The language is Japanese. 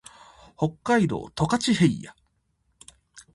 北海道十勝平野